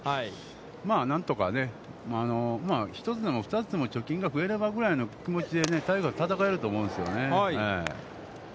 まあ何とかね、まあ１つでも２つでも貯金が増えればぐらいの気持ちで、タイガース、戦えると思うんですよね。